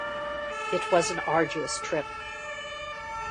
It was an arduous trip.